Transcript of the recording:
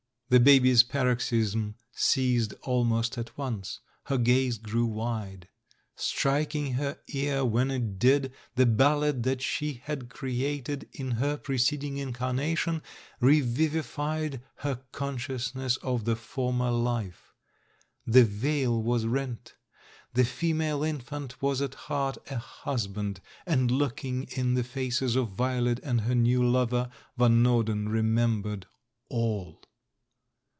The baby's paroxysm ceased al most at once ; her gaze grew wide. Striking her ear when it did, the ballad that she had created in ber preceding incarnation revivified her conscious ness of the former life. The veil was rent; the female infant was at heart a husband — and look ing in the faces of Violet and her new lover. Van Norden remembered all.